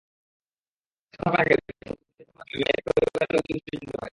সপ্তাহ খানেক আগে ফেসবুকের মাধ্যমে মেয়ের পরিবারের লোকজন বিষয়টি জানতে পারে।